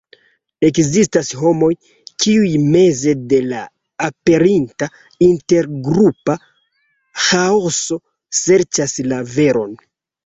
Ekzistas homoj, kiuj meze de la aperinta intergrupa ĥaoso serĉas la veron.